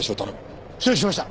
承知しました。